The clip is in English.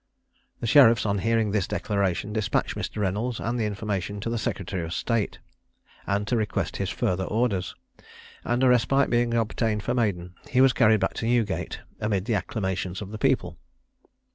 The sheriffs, on hearing this declaration, despatched Mr. Reynolds with the information to the secretary of state, and to request his further orders; and a respite being obtained for Maden, he was carried back to Newgate, amid the acclamations of the people.